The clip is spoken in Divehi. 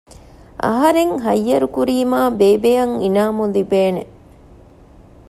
އަހަރެން ހައްޔަރުކުރީމާ ބޭބެއަށް އިނާމު ލިބޭނެ